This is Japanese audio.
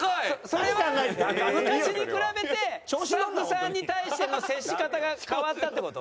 それは昔に比べてスタッフさんに対しての接し方が変わったって事？